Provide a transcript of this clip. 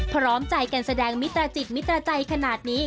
พร้อมใจกันแสดงมิตรจิตมิตรใจขนาดนี้